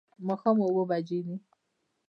ماښام اووه بجې دي